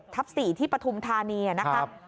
๖ทับ๔ที่ปฐุมธานีอะนะครับ